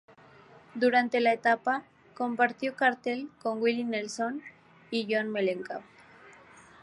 Durante la etapa, compartió cartel con Willie Nelson y John Mellencamp.